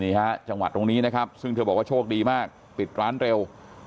ฮะจังหวัดตรงนี้นะครับซึ่งเธอบอกว่าโชคดีมากปิดร้านเร็ว